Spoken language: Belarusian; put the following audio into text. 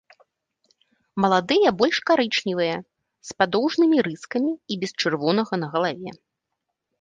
Маладыя больш карычневыя, з падоўжнымі рыскамі і без чырвонага на галаве.